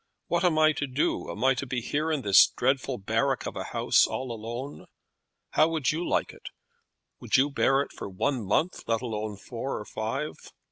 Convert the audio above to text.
What am I to do? Am I to be here in this dreadful barrack of a house all alone? How would you like it? Would you bear it for one month, let alone four or five?